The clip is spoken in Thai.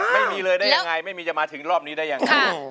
ไม่มีเลยได้ยังไงไม่มีจะมาถึงรอบนี้ได้ยังไง